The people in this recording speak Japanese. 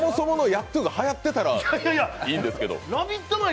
やぁっとぅーがはやってたらいいんですけど。